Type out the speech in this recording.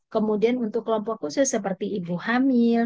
kemudian untuk kelompok khusus seperti ibu hamil